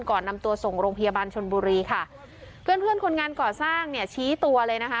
ก่อนนำตัวส่งโรงพยาบาลชนบุรีค่ะเพื่อนเพื่อนคนงานก่อสร้างเนี่ยชี้ตัวเลยนะคะ